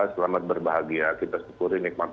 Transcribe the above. selamat berbahagia kita syukuri nikmat